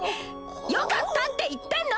よかったって言ってんの！